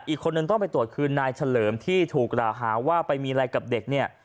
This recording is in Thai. อีกคนนึงต้องไปตรวจคือนายเฉลิมที่ถูกกล่าวหาว่าไปมีอะไรกับเด็กเนี่ย